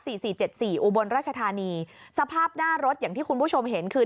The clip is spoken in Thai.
สี่สี่เจ็ดสี่อุบลราชธานีสภาพหน้ารถอย่างที่คุณผู้ชมเห็นคือ